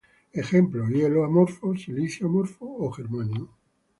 Ejemplos: hielo amorfo, silicio amorfo o germanio.